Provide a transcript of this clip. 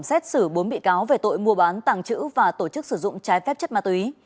xét xử bốn bị cáo về tội mua bán tàng trữ và tổ chức sử dụng trái phép chất ma túy